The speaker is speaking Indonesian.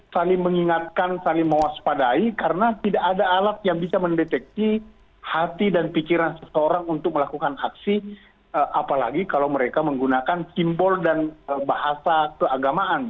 saling mengingatkan saling mewaspadai karena tidak ada alat yang bisa mendeteksi hati dan pikiran seseorang untuk melakukan aksi apalagi kalau mereka menggunakan simbol dan bahasa keagamaan